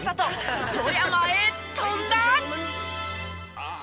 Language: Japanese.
富山へ飛んだ！